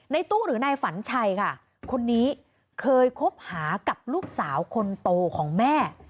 ตู้หรือนายฝันชัยค่ะคนนี้เคยคบหากับลูกสาวคนโตของแม่